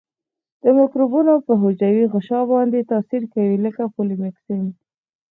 د مکروبونو په حجروي غشا باندې تاثیر کوي لکه پولیمیکسین.